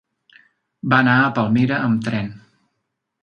Va anar a Palmera amb tren.